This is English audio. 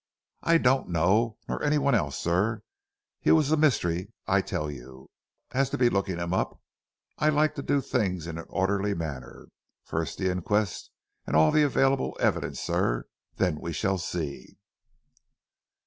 "I don't know nor anyone else sir. He was a mystery I tell you. As to looking him up, I like to do things in an orderly manner. First the inquest and all the available evidence sir. Then we shall see."